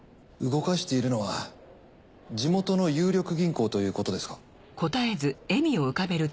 動かしているのは地元の有力銀行ということですか？